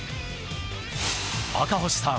赤星さん